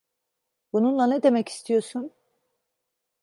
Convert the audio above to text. Bununla ne demek istiyorsun?